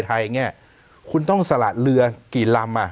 ไทยเงี้ยคุณต้องสลัดเหลือกี่ลำ